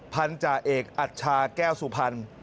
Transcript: พันธาเอกอัชชาแก้วสุพรรณ